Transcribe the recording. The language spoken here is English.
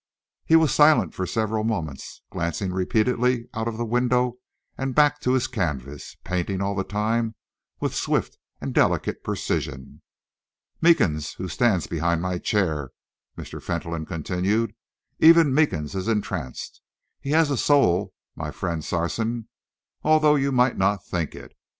He was silent for several moments, glancing repeatedly out of the window and back to his canvas, painting all the time with swift and delicate precision. "Meekins, who stands behind my chair," Mr. Fentolin continued, "even Meekins is entranced. He has a soul, my friend Sarson, although you might not think it.